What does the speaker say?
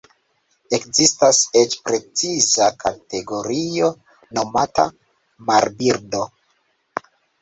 Ekzistas eĉ preciza kategorio nomata Marbirdo.